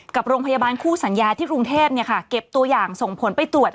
กับโรงพยาบาลคู่สัญญาที่กรุงเทพเก็บตัวอย่างส่งผลไปตรวจ